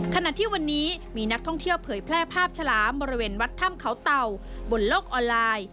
ขณะที่วันนี้มีนักท่องเที่ยวเผยแพร่ภาพฉลามบริเวณวัดถ้ำเขาเต่าบนโลกออนไลน์